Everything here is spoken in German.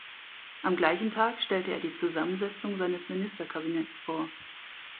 Am gleichen Tag stellte er die Zusammensetzung seines Ministerkabinetts vor.